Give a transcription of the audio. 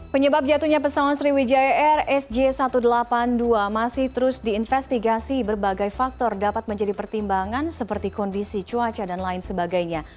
penyebab jatuhnya pesawat sriwijaya air sj satu ratus delapan puluh dua masih terus diinvestigasi berbagai faktor dapat menjadi pertimbangan seperti kondisi cuaca dan lain sebagainya